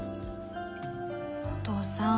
お父さん。